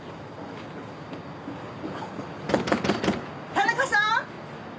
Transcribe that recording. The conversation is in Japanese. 田中さん？